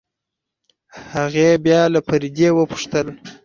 هغې بيا له فريدې وپوښتل.